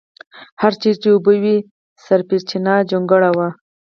هر چېرې چې اوبه وې سپېرچنه جونګړه وه.